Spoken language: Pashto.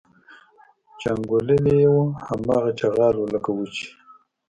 چې انګوللي یې وو هماغه چغال و لکه وو چې.